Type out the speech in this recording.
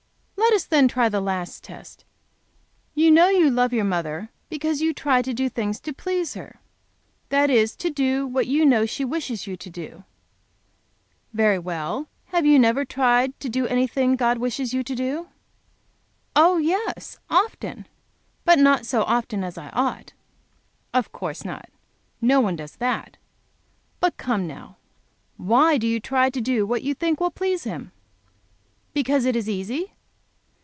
"Let us then try the last test. You know you love your mother because you try to do things to please her. That is to do what you know she wishes you to do? Very well. Have you never tried to do anything God wishes you to do?" "Oh yes; often. But not so often as I ought." "Of course not. No one does that. But come now, why do you try to do what you think will please Him? Because it is easy?